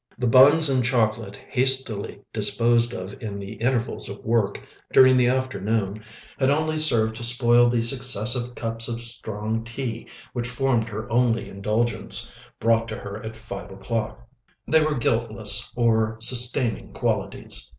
The buns and chocolate hastily disposed of in the intervals of work during the afternoon had only served to spoil the successive cups of strong tea, which formed her only indulgence, brought to her at five o'clock. They were guiltless of sustaining qualities.